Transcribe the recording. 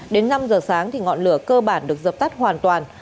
đến năm giờ sáng thì ngọn lửa cơ bản được dập tắt hoàn toàn